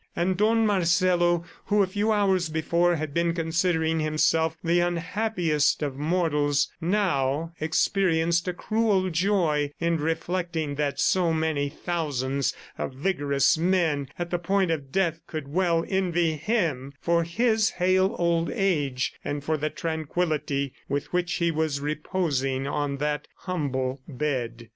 ... And Don Marcelo, who a few hours before had been considering himself the unhappiest of mortals, now experienced a cruel joy in reflecting that so many thousands of vigorous men at the point of death could well envy him for his hale old age, and for the tranquillity with which he was reposing on that humble bed.